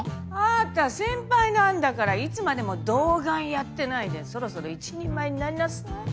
あなた先輩なんだからいつまでも童顔やってないでそろそろ一人前になりなさい。